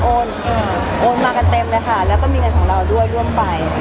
โอนมากันเต็มเลยค่ะแล้วก็มีเงินของเราด้วยร่วมไป